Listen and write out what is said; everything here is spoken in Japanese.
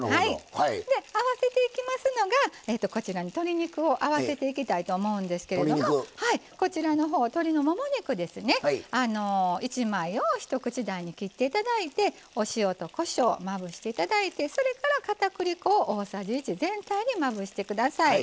あわせていきますのが、こちらに鶏肉をあわせていきたいと思うんですけど鶏のもも肉１枚を一口大に切っていただいてお塩と、こしょうをまぶしていただいてそれから、かたくり粉を大さじ１全体にまぶしてください。